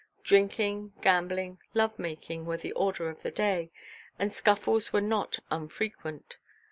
Drinking, gambling, love making were the order of the day, and scuffles were not unfrequent.